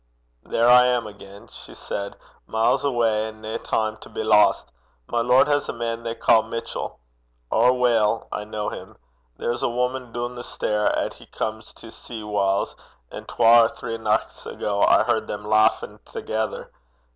'There I am again!' she said 'miles awa' an' nae time to be lost! My lord has a man they ca' Mitchell. Ower weel I ken him. There's a wuman doon the stair 'at he comes to see whiles; an' twa or three nichts ago, I heard them lauchin' thegither.